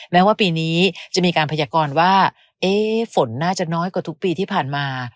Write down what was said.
แม้ว่าปีนี้จะมีการพยากรว่าฝนน่าจะน้อยกว่าทุกปีที่ผ่านมา